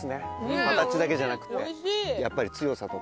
形だけじゃなくてやっぱり強さとか。